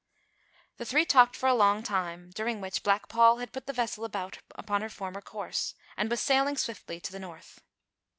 The three talked for a long time, during which Black Paul had put the vessel about upon her former course, and was sailing swiftly to the north.